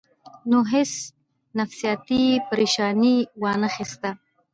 نو هېڅ نفسياتي پرېشر ئې وانۀ خستۀ -